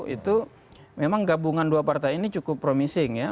itu memang gabungan dua partai ini cukup promising ya